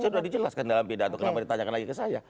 sudah dijelaskan dalam pidato kenapa ditanyakan lagi ke saya